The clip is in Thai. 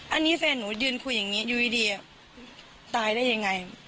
อันนี้แฟนหนูยืนคุยอย่างนี้อยู่ดีตายได้ยังไง